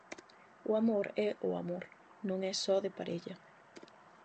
O amor é o amor, non é só de parella.